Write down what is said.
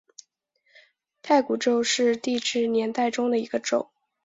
太古宙是地质年代中的一个宙。